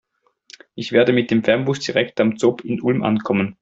Ich werde mit dem Fernbus direkt am ZOB in Ulm ankommen.